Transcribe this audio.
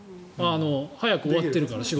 早く終わってるから。